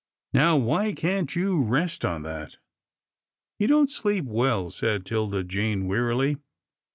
Now, why can't you rest on that? "" He don't sleep well," said 'Tilda Jane, wearily.